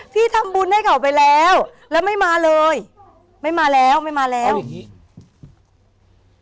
พี่ทำบุญให้เขาไปแล้วแล้วไม่มาเลยไม่มาแล้วไม่มาแล้วอย่างงี้